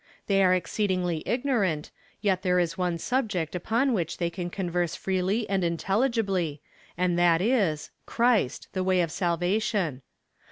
They are exceedingly ignorant, yet there is one subject upon which they can converse freely and intelligibly, and that is Christ the way of salvation.